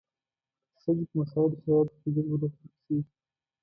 ښځې په مساعدو شرایطو کې ژر بلوغ ته رسېږي.